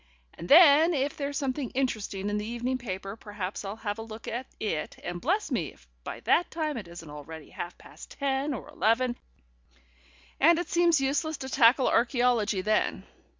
And then, if there's something interesting in the evening paper, perhaps I'll have a look at it, and bless me, if by that time it isn't already half past ten or eleven, and it seems useless to tackle archæology then.